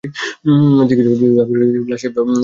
চিকিৎসক আবদুর রশীদ জানান, লাশের গায়ে পোড়া দাগের চিহ্ন রয়েছে।